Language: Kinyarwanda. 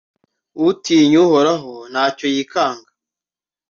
Utinya Uhoraho nta cyo yikanga,